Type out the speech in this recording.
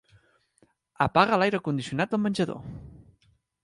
Apaga l'aire condicionat del menjador.